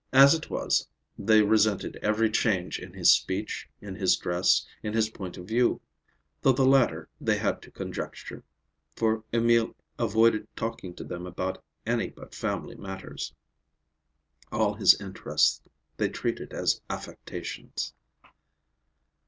As it was, they resented every change in his speech, in his dress, in his point of view; though the latter they had to conjecture, for Emil avoided talking to them about any but family matters. All his interests they treated as affectations.